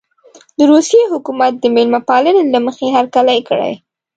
د روسیې حکومت د مېلمه پالنې له مخې هرکلی کړی.